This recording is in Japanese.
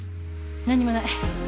何にもない。